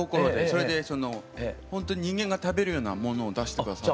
それでほんと人間が食べるようなものを出して下さって。